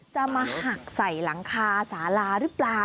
จะมาหักใส่หลังคาสาลาหรือเปล่า